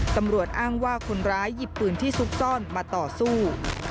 ตำรวจอ้างว่าคนร้ายหยิบปืนที่ซุกซ่อนมาต่อสู้